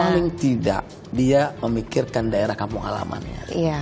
paling tidak dia memikirkan daerah kampung halamannya